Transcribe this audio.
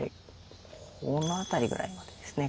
この辺りぐらいまでですね。